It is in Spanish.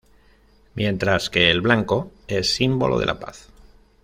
Mientras que el 'Blanco' es símbolo de la Paz.